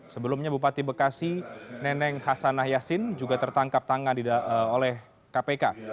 sebelumnya bupati bekasi neneng hasanah yassin juga tertangkap tangan oleh kpk